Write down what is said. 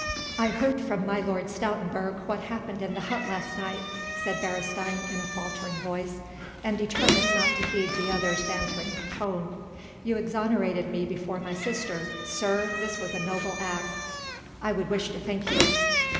"I heard from my Lord Stoutenburg what happened in the hut last night," said Beresteyn in a faltering voice, and determined not to heed the other's bantering tone. "You exonerated me before my sister ... sir, this was a noble act ... I would wish to thank you...."